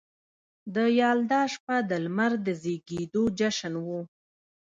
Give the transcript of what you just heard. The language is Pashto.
د یلدا شپه د لمر د زیږیدو جشن و